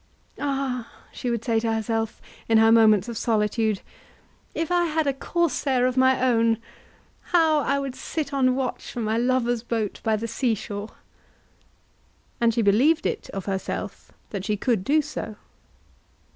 "Ah," she would say to herself in her moments of solitude, "if I had a Corsair of my own, how I would sit on watch for my lover's boat by the sea shore!" And she believed it of herself, that she could do so.